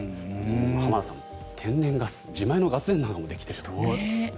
浜田さん、天然ガス自前のガス田でできているそうです。